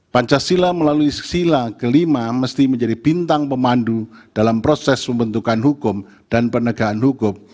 pancasila melalui sila kelima mesti menjadi bintang pemandu dalam proses pembentukan hukum dan penegakan hukum